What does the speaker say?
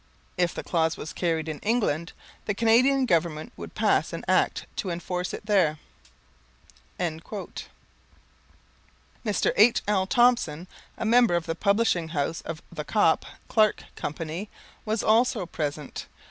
If the clause was carried in England, the Canadian Government would pass an Act to enforce it there." Mr. H.L. Thompson, a member of the publishing house of The Copp, Clark Company, was also present.